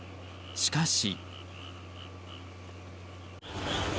しかし。